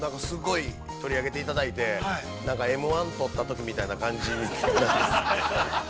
すごい取り上げていただいて、Ｍ−１とったときみたいな感じです。